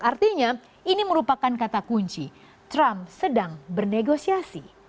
artinya ini merupakan kata kunci trump sedang bernegosiasi